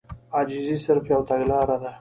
عاجزي صرف يوه تګلاره ده.